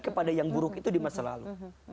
kepada yang buruk itu di masa lalu